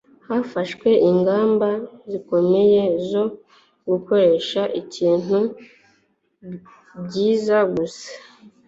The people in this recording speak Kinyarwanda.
hafashwe ingamba zikomeye zo gukoresha ibintu byiza gusa